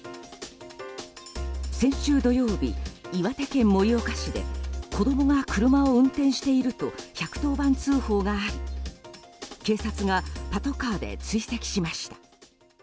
先週土曜日岩手県盛岡市で子供が車を運転していると１１０番通報があり警察がパトカーで追跡しました。